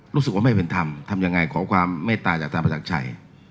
รู้สึกว่าไม่เป็นธรรมทำยังไงขอความเมตตาจากท่านประจักรชัย